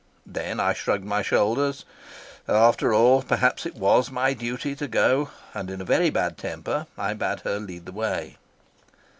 Then I shrugged my shoulders; after all, perhaps it was my duty to go, and in a very bad temper I bade her lead the way."